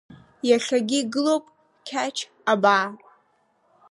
Иахьагьы игылоуп Қьач абаа.